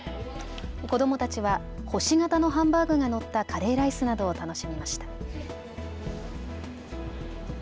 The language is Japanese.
子どもたちは星形のハンバーグが載ったカレーライスなどを楽しみました。